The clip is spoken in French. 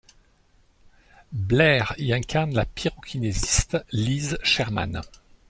Blair y incarne la pyrokinésiste Liz Sherman.